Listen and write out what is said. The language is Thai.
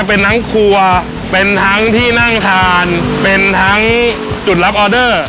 เป็นทั้งครัวเป็นทั้งที่นั่งทานเป็นทั้งจุดรับออเดอร์